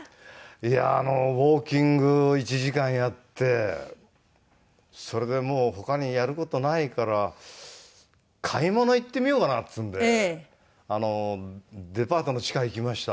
いやウォーキングを１時間やってそれでもう他にやる事ないから買い物行ってみようかなっていうんでデパートの地下に行きました。